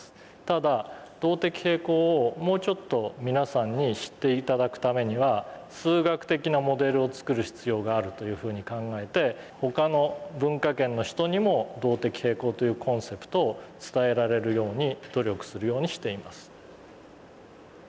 ただ動的平衡をもうちょっと皆さんに知って頂くためには数学的なモデルを作る必要があるというふうに考えて他の文化圏の人にも「動的平衡」というコンセプトを伝えられるように努力するようにしています。